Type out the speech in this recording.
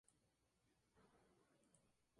Es la causa principal del agua dura.